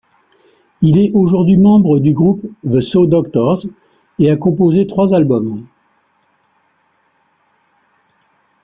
Il est aujourd'hui membre du groupe The Saw Doctors, et a composé trois albums.